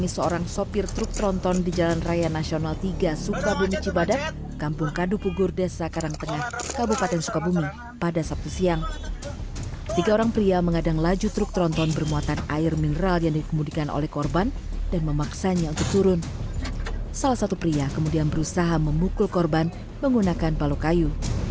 satu pria kemudian berusaha memukul korban menggunakan balok kayu